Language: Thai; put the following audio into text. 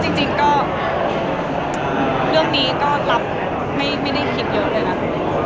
จริงก็เรื่องนี้ก็รับไม่ได้คิดเยอะเลยนะ